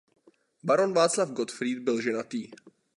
Baron Václav Gottfried byl ženatý.